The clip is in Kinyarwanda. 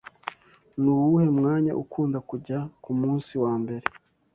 Nuwuhe mwanya ukunda kujya kumunsi wambere?